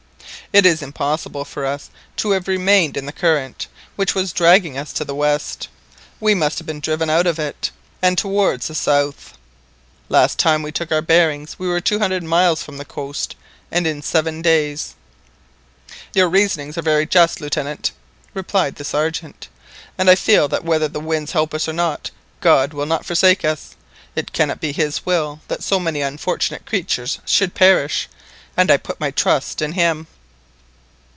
It is impossible for us to have remained in the current which was dragging us to the west, we must have been driven out of it, and towards the south. Last time we took our bearings we were two hundred miles from the coast, and in seven days "—— "Your reasonings are very just, Lieutenant," replied the Sergeant, "and I feel that whether the wind helps us or not, God will not forsake us. It cannot be His will that so many unfortunate creatures should perish, and I put my trust in Him!"